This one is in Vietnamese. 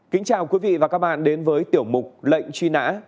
kính chào quý vị và các bạn đến với tiểu mục lệnh truy nã